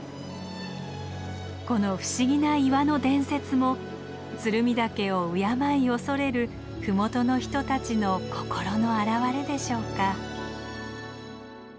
この不思議な岩の伝説も鶴見岳を敬い恐れる麓の人たちの心の現れでしょうか。